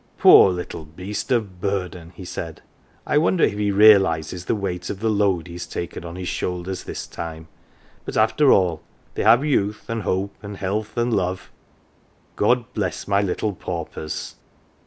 " Poor little beast of burden !"" he said, " I wonder if he realises the weight of the load he has taken on his shoulders this time ! But, after all, they have youth, and hope, and health, and love God bless my little paupers